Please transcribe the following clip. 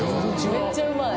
めっちゃうまい。